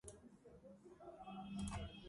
ბიბლიოთეკა უფასო იყო ყველასათვის.